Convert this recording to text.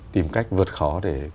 tìm cách vượt khó để